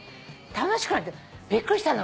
楽しくなってびっくりした。